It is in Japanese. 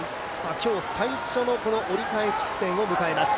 今日、最初の折り返し地点を迎えます。